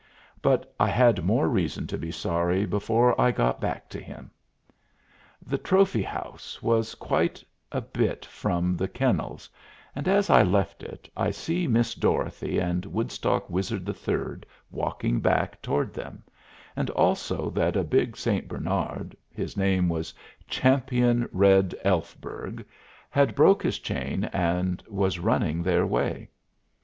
But I had more reason to be sorry before I got back to him. The trophy house was quite a bit from the kennels, and as I left it I see Miss Dorothy and Woodstock Wizard III walking back toward them, and, also, that a big St. Bernard, his name was Champion Red Elfberg, had broke his chain and was running their way.